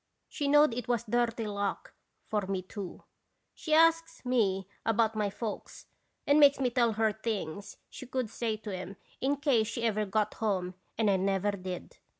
She knowed it was dirty luck for me, too. She asks me about my folks and makes me tell her things she could say to 'em in case she ever got home and I never did.